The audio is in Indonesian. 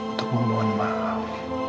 untuk memohon maaf